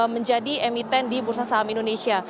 menjadi emiten di bursa saham indonesia